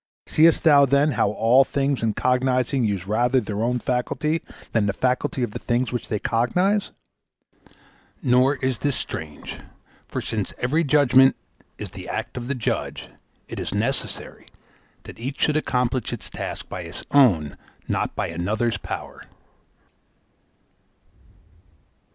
See'st thou, then, how all things in cognizing use rather their own faculty than the faculty of the things which they cognize? Nor is this strange; for since every judgment is the act of the judge, it is necessary that each should accomplish its task by its own, not by another's power.'